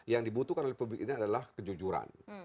yang dibutuhkan oleh publik ini adalah kejujuran